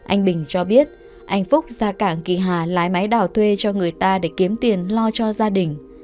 anh bình cho biết anh phúc ra cảng kỳ hà lái máy đào thuê cho người ta để kiếm tiền lo cho gia đình